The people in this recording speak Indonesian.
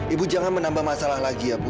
ibu jangan menambah masalah lagi ya bu